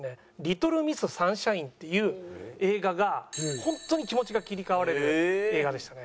『リトル・ミス・サンシャイン』っていう映画が本当に気持ちが切り替われる映画でしたね。